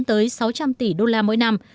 tới sáu trăm linh tỷ đô la mỗi năm